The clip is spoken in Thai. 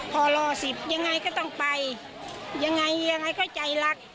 พอรอ๑๐ยังไงก็ต้องไปยังไงยังไงก็ใจรัก